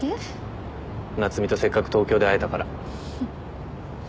夏海とせっかく東京で会えたから。